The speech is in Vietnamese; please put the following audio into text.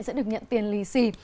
sẽ được nhận tiền lì xe